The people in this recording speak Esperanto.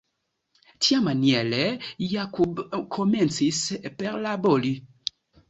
Tiamaniere Jakub komencis perlabori.